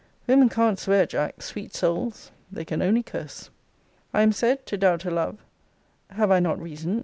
Women can't swear, Jack sweet souls! they can only curse. I am said, to doubt her love Have I not reason?